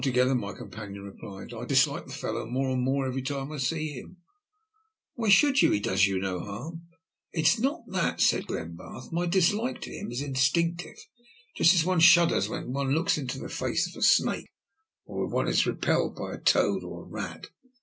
"I wish he'd get rid of him altogether," my companion replied. "I dislike the fellow more and more every time I see him." "Why should you? He does you no harm!" "It's not that," said Glenbarth. "My dislike to him is instinctive; just as one shudders when one looks into the face of a snake, or as one is repelled by a toad or a rat.